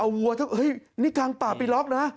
เอาวัวทั้งเฮ้ยนี่กลางป่ามึงไปล๊อกนะ